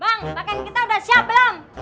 bang bahkan kita udah siap belum